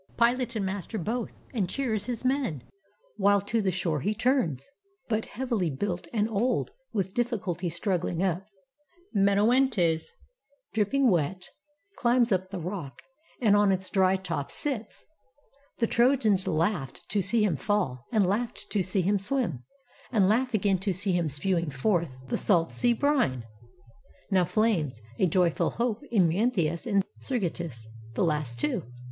Pilot and master both, and cheers his men. While to the shore he turns. But heavily built And old, with difficulty struggling up, Menoetes, dripping wet, climbs up the rock. And on its dry top sits. The Trojans laughed To see him fall, and laughed to see him swim. And laugh again to see him spewing forth The salt sea brine. Now flames a joyful hope In Mnestheus and Sergestus, the two last.